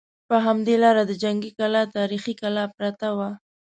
په همدې لاره د جنګي کلا تاریخي کلا پرته وه.